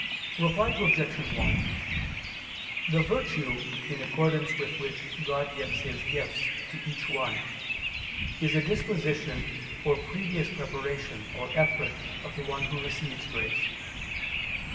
Reply Obj. 1: The virtue in accordance with which God gives His gifts to each one, is a disposition or previous preparation or effort of the one who receives grace.